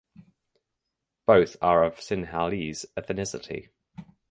Both are of Sinhalese ethnicity.